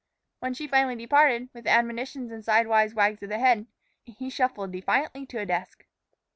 When she finally departed, with admonitions and sidewise wags of the head, he shuffled defiantly to a desk.